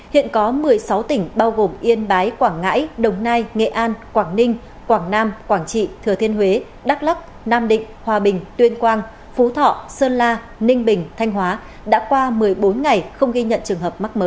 hiện có một mươi sáu tỉnh bao gồm yên bái quảng ngãi đồng nai nghệ an quảng ninh quảng nam quảng trị thừa thiên huế đắk lắc nam định hòa bình tuyên quang phú thọ sơn la ninh bình thanh hóa đã qua một mươi bốn ngày không ghi nhận trường hợp mắc mới